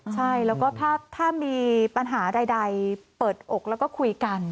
ใช่แล้วก็ถ้ามีปัญหาใดเปิดอกแล้วก็คุยกัน